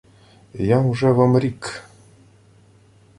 — Я-м уже вам рік...